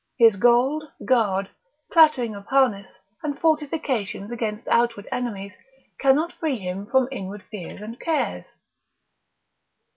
His gold, guard, clattering of harness, and fortifications against outward enemies, cannot free him from inward fears and cares.